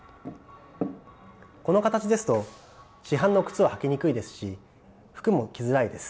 この形ですと市販の靴は履きにくいですし服も着づらいです。